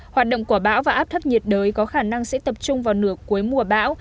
hoạt động của bão và áp thấp nhiệt đới có khả năng sẽ tập trung vào nửa cuối mùa bão